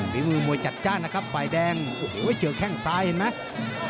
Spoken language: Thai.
ฝีมือมวยจัดจ้านนะครับฝ่ายแดงโอ้โหเจอแข้งซ้ายเห็นไหม